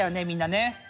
みんなね。